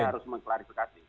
saya harus mengklarifikasi